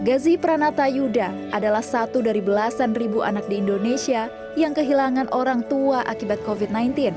gazi pranata yuda adalah satu dari belasan ribu anak di indonesia yang kehilangan orang tua akibat covid sembilan belas